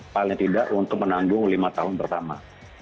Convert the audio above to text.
paling tidak untuk menanggung lima tahun pertama